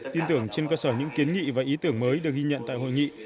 tin tưởng trên cơ sở những kiến nghị và ý tưởng mới được ghi nhận tại hội nghị